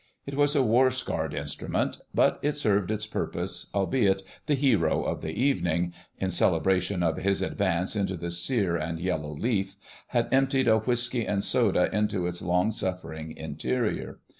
It was a war scarred instrument: but it served its purpose, albeit the hero of the evening—in celebration of his advance into the sere and yellow leaf—had emptied a whisky and soda into its long suffering interior.